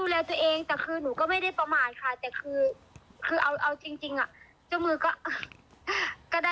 แล้วก็ขอพ้อนก็คือหยิบมาเลยค่ะพี่หมดำ